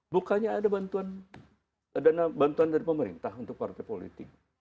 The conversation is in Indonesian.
bukannya ada bantuan dari pemerintah untuk partai politik